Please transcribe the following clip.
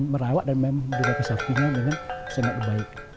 merawat dan memelihara sapinya dengan sangat baik